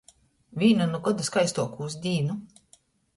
Vīna nu goda skaistuokūs dīnu.